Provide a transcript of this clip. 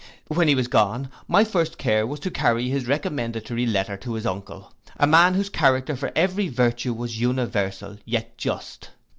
When he was gone, my first care was to carry his recommendatory letter to his uncle, a man whose character for every virtue was universal, yet just.